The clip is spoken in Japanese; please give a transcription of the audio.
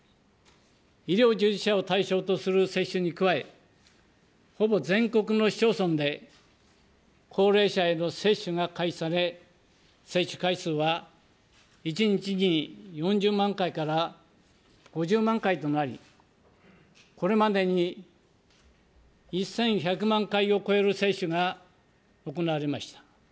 医療従事者を対象とする接種に加え、ほぼ全国の市町村で、高齢者への接種が開始され、接種回数は１日に４０万回から５０万回となり、これまでに１１００万回を超える接種が行われました。